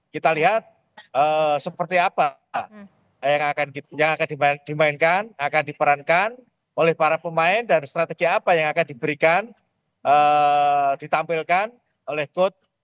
kita lihat seperti apa yang akan dimainkan akan diperankan oleh para pemain dan strategi apa yang akan diberikan ditampilkan oleh coach